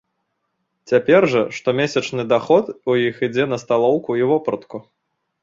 Цяпер жа штомесячны даход у іх ідзе на сталоўку і вопратку.